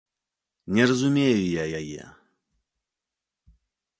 Не разумею я яе.